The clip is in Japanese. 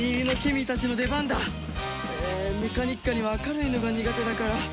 えーメカニッカニは明るいのが苦手だから。